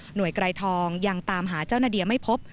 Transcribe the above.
โดยไกรทองยังตามหาเจ้านาเดียไม่พบ